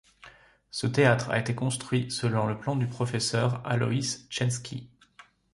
Ce théâtre a été construit selon le plan du professeur Alois Čenský.